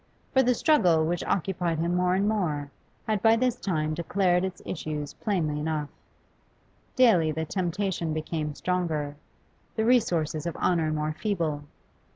For the struggle which occupied him more and more had by this time declared its issues plainly enough; daily the temptation became stronger, the resources of honour more feeble.